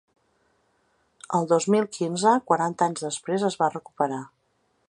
El dos mil quinze, quaranta anys després, es va recuperar.